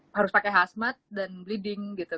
harus pakai khasmat dan bleeding gitu